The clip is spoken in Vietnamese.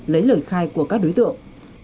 lấy lời khai của các đối tượng